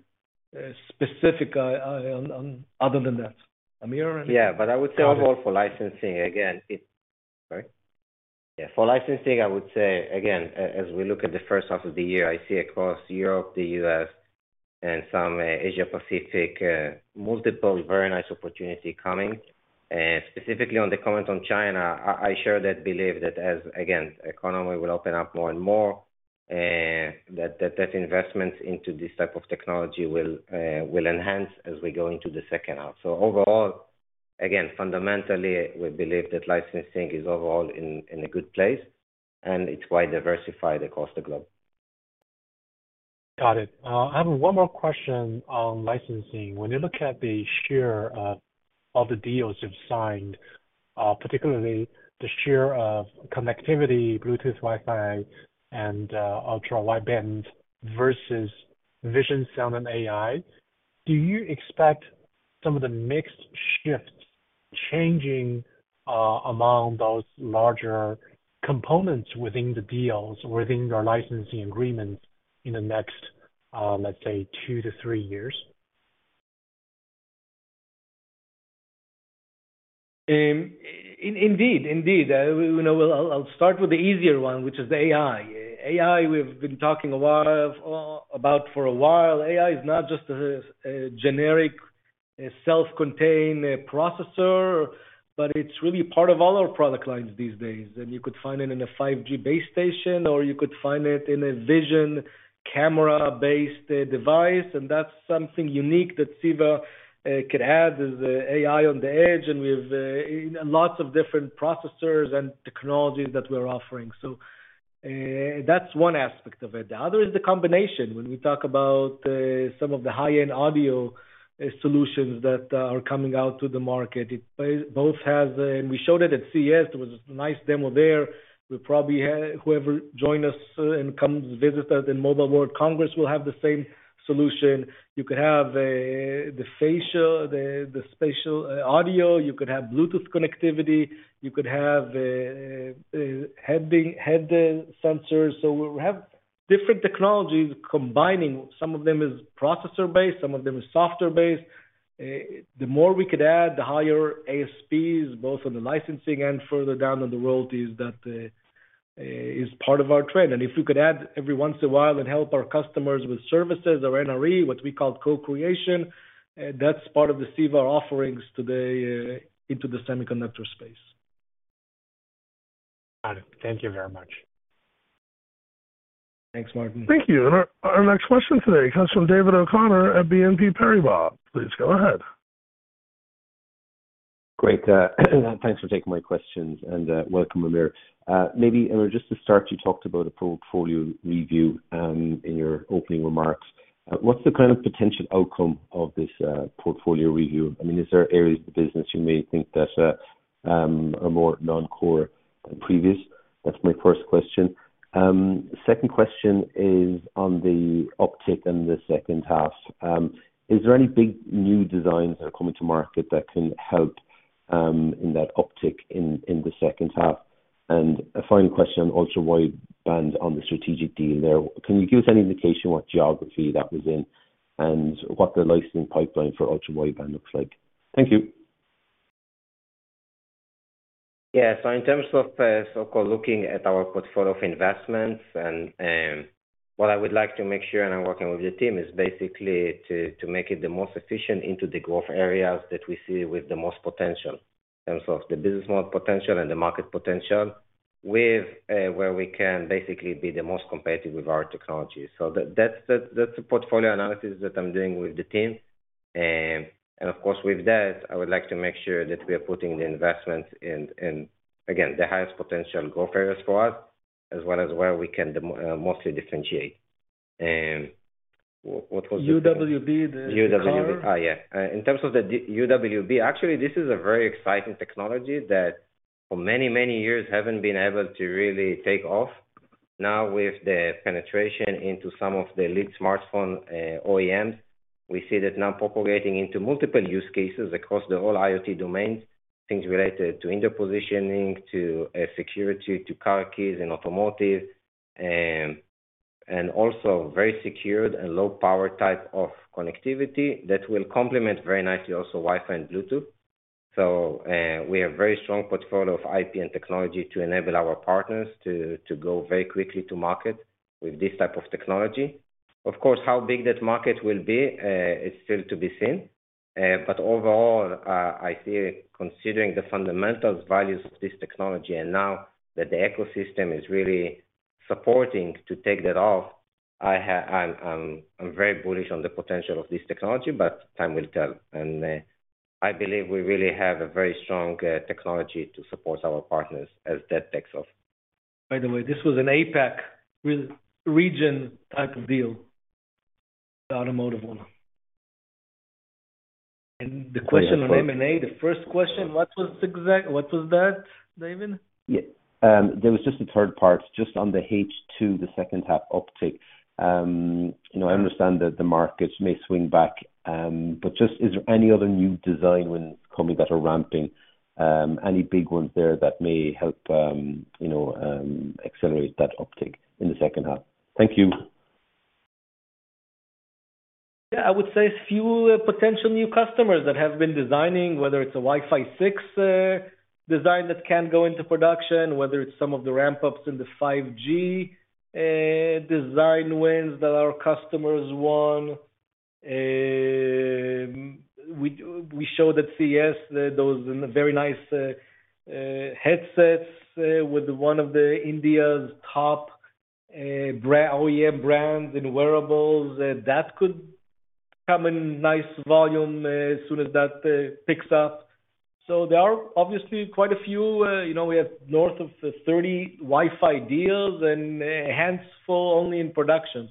specific on other than that. Amir, anything? Yeah. I would say overall for licensing, again, Yeah. For licensing, I would say again, as we look at the first half of the year, I see across Europe, the U.S., and some Asia Pacific, multiple very nice opportunity coming. Specifically on the comment on China, I share that belief that as, again, economy will open up more and more, that investment into this type of technology will enhance as we go into the second half. Overall, again, fundamentally, we believe that licensing is overall in a good place, and it's quite diversified across the globe. Got it. I have one more question on licensing. When you look at the share of the deals you've signed, particularly the share of connectivity, Bluetooth, Wi-Fi, and ultra-wideband versus vision, sound, and AI, do you expect some of the mix shifts changing among those larger components within the deals, within your licensing agreements in the next, let's say, two to three years? indeed. You know, I'll start with the easier one, which is AI. AI, we've been talking a lot about for a while. AI is not just a generic, a self-contained processor, but it's really part of all our product lines these days. You could find it in a 5G base station, or you could find it in a vision camera-based device. That's something unique that CEVA could add is AI on the edge, and we have lots of different processors and technologies that we're offering. That's one aspect of it. The other is the combination. When we talk about some of the high-end audio solutions that are coming out to the market, it both has. We showed it at CES. There was a nice demo there. We probably had... Whoever joined us, and comes visit us in Mobile World Congress will have the same solution. You could have the spatial audio. You could have Bluetooth connectivity. You could have head sensors. We have different technologies combining. Some of them is processor-based, some of them is software-based. The more we could add, the higher ASPs, both on the licensing and further down on the royalties, that is part of our trend. If we could add every once in a while and help our customers with services or NRE, what we call co-creation, that's part of the CEVA offerings today, into the semiconductor space. Got it. Thank you very much. Thanks, Martin. Thank you. Our next question today comes from David O'Connor at BNP Paribas. Please go ahead. Great. Thanks for taking my questions and welcome, Amir. Maybe, Amir, just to start, you talked about a portfolio review in your opening remarks. What's the kind of potential outcome of this portfolio review? I mean, is there areas of the business you may think that are more non-core than previous? That's my first question. Second question is on the uptick in the second half. Is there any big new designs that are coming to market that can help in that uptick in the second half? A final question on ultra-wideband on the strategic deal there. Can you give us any indication what geography that was in and what the licensing pipeline for ultra-wideband looks like? Thank you. Yeah. In terms of so-called looking at our portfolio of investments and what I would like to make sure, and I'm working with the team, is basically to make it the most efficient into the growth areas that we see with the most potential in terms of the business model potential and the market potential with where we can basically be the most competitive with our technology. That's the portfolio analysis that I'm doing with the team. Of course, with that, I would like to make sure that we are putting the investment in again the highest potential growth areas for us as well as where we can mostly differentiate. What was the third one? UWB, the car. UWB. Yeah. In terms of the UWB, actually, this is a very exciting technology that for many, many years haven't been able to really take off. Now, with the penetration into some of the lead smartphone OEMs, we see that now propagating into multiple use cases across the whole IoT domain, things related to indoor positioning, to security, to car keys and automotive, and also very secured and low power type of connectivity that will complement very nicely also Wi-Fi and Bluetooth. We have very strong portfolio of IP and technology to enable our partners to go very quickly to market with this type of technology. Of course, how big that market will be is still to be seen. Overall, I see considering the fundamentals values of this technology and now that the ecosystem is really supporting to take that off, I'm very bullish on the potential of this technology, but time will tell. I believe we really have a very strong technology to support our partners as that takes off. By the way, this was an APAC re-region type of deal, the automotive one. The question on M&A, the first question, what was that, David? Yeah. There was just a third part, just on the H2, the second half uptick. You know, I understand that the markets may swing back, but just is there any other new design wins coming that are ramping? Any big ones there that may help, you know, accelerate that uptick in the second half? Thank you. Yeah. I would say few potential new customers that have been designing, whether it's a Wi-Fi 6 design that can go into production, whether it's some of the ramp-ups in the 5G design wins that our customers won. We showed at CES those very nice headsets with one of the India's top OEM brands in wearables. That could come in nice volume as soon as that picks up. There are obviously quite a few. You know, we have north of 30 Wi-Fi deals and hands full only in production.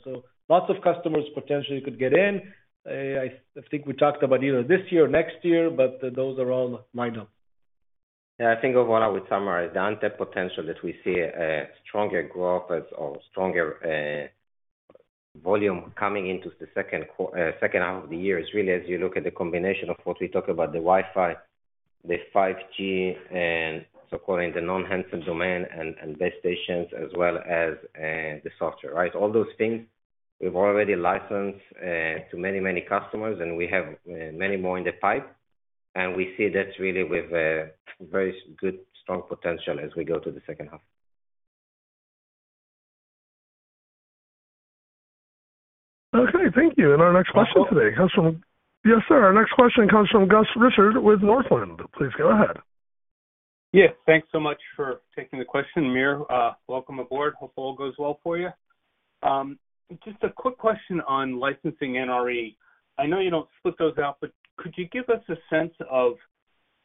Lots of customers potentially could get in. I think we talked about either this year or next year, but those are all lined up. Yeah. I think overall I would summarize the untapped potential that we see a stronger growth as or stronger, volume coming into the second half of the year is really as you look at the combination of what we talked about the Wi-Fi The 5G and so-called the non-hands-on domain and base stations as well as, the software, right? All those things we've already licensed, to many customers, and we have, many more in the pipe. We see that really with a very good, strong potential as we go to the second half. Okay. Thank you. Our next question today comes from... Yes, sir. Our next question comes from Gus Richard with Northland. Please go ahead. Yes. Thanks so much for taking the question, Amir. Welcome aboard. Hope all goes well for you. Just a quick question on licensing NRE. I know you don't split those out, but could you give us a sense of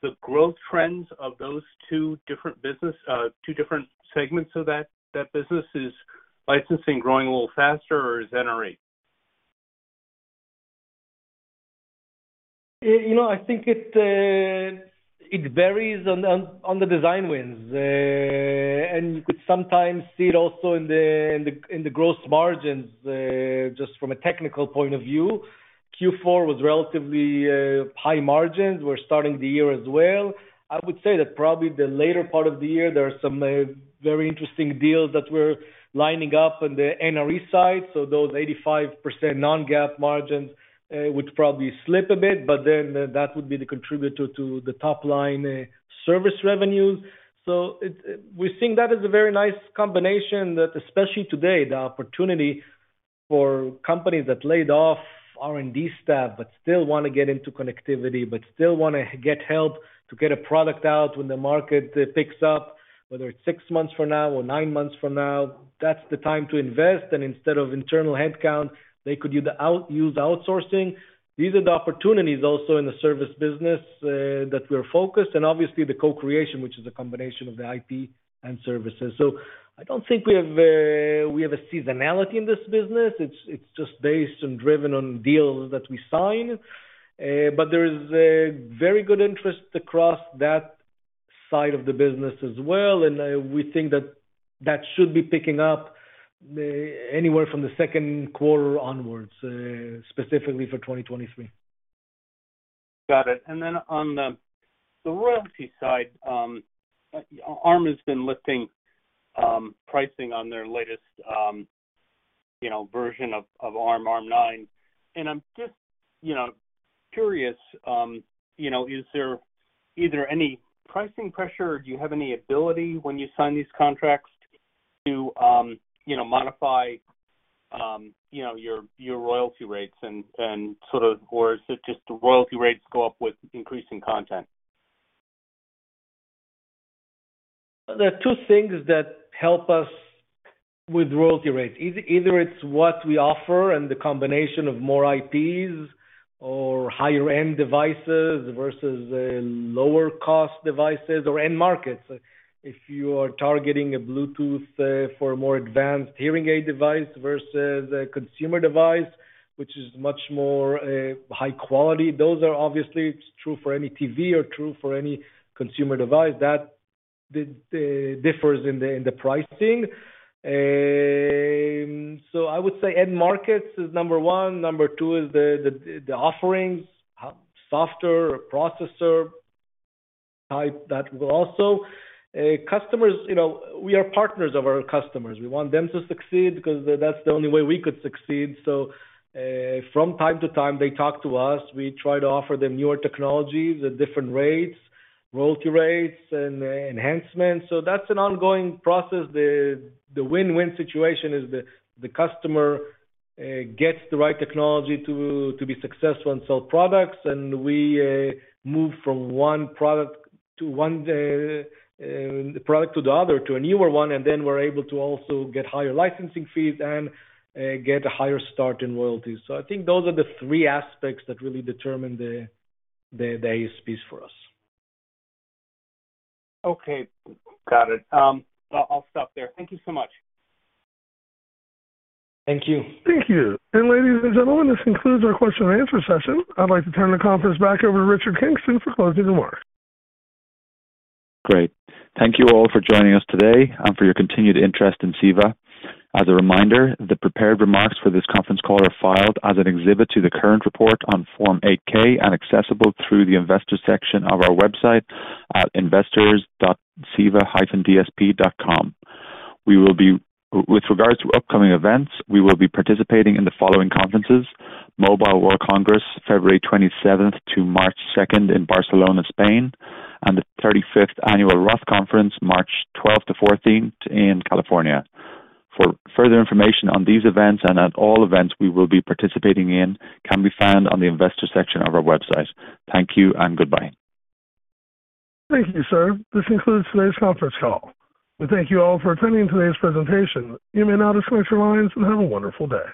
the growth trends of those two different business, two different segments of that business? Is licensing growing a little faster or is NRE? You know, I think it varies on, on the design wins. You could sometimes see it also in the, in the, in the gross margins, just from a technical point of view. Q4 was relatively, high margins. We're starting the year as well. I would say that probably the later part of the year, there are some, very interesting deals that we're lining up on the NRE side. Those 85% Non-GAAP margins, would probably slip a bit, but then that would be the contributor to the top line, service revenues. We're seeing that as a very nice combination that especially today, the opportunity for companies that laid off R&D staff but still wanna get into connectivity, but still wanna get help to get a product out when the market picks up, whether it's six months from now or nine months from now, that's the time to invest. Instead of internal headcount, they could use outsourcing. These are the opportunities also in the service business that we're focused and obviously the co-creation, which is a combination of the IP and services. I don't think we have a seasonality in this business. It's just based and driven on deals that we sign. There is a very good interest across that side of the business as well. We think that that should be picking up anywhere from the second quarter onwards, specifically for 2023. Got it. On the royalty side, Arm has been lifting pricing on their latest, you know, version of Arm, Armv9. I'm just, you know, curious, you know, is there any pricing pressure? Do you have any ability when you sign these contracts to, you know, modify, you know, your royalty rates and sort of... Is it just the royalty rates go up with increasing content? There are two things that help us with royalty rates. Either it's what we offer and the combination of more IPs or higher end devices versus lower cost devices or end markets. If you are targeting a Bluetooth for a more advanced hearing aid device versus a consumer device, which is much more high quality, those are obviously true for any TV or true for any consumer device. That differs in the pricing. I would say end markets is number one. Number two is the offerings, software or processor type that will also. Customers, you know, we are partners of our customers. We want them to succeed because that's the only way we could succeed. From time to time, they talk to us. We try to offer them newer technologies at different rates, royalty rates and enhancements. That's an ongoing process. The win-win situation is the customer gets the right technology to be successful and sell products, and we move from one product to one product to the other, to a newer one, and then we're able to also get higher licensing fees and get a higher start in royalties. I think those are the three aspects that really determine the ASPs for us. Okay. Got it. I'll stop there. Thank you so much. Thank you. Thank you. Ladies and gentlemen, this concludes our question and answer session. I'd like to turn the conference back over to Richard Kingston for closing remarks. Great. Thank you all for joining us today and for your continued interest in CEVA. As a reminder, the prepared remarks for this conference call are filed as an exhibit to the current report on Form 8-K and accessible through the investor section of our website at investors.ceva-dsp.com. With regards to upcoming events, we will be participating in the following conferences: Mobile World Congress, February 27th-March 2nd in Barcelona, Spain, and the 35th Annual ROTH Conference, March 12th-14th in California. For further information on these events and at all events we will be participating in can be found on the investor section of our website. Thank you and goodbye. Thank you, sir. This includes today's conference call. We thank you all for attending today's presentation. You may now disconnect your lines and have a wonderful day.